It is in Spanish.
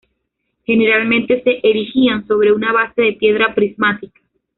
Generalmente se erigían sobre una base de piedra prismática.